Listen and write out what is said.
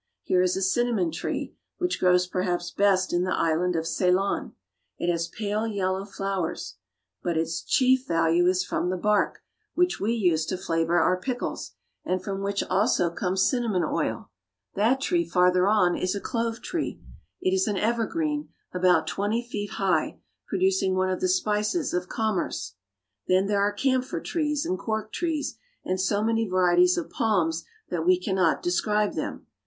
Here is a cinnamon tree, which grows perhaps best in the island of Ceylon. It has pale yellow flowers, but its chief 28o BRAZIL. valine is from the bark, which we use to flavor our pickles, and from which also comes cinnamon oil. That tree farther on is a clove tree. It is an evergreen, about twenty feet high, producing one of the spices of commerce. Then there are camphor trees and cork trees, and so many varieties of palms that we cannot describe them.